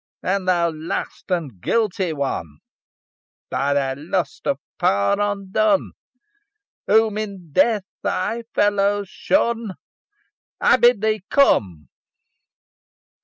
"And thou last and guilty one! By thy lust of power undone, Whom in death thy fellows shun! I bid thee come!